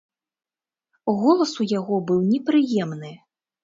Голас у яго быў непрыемны.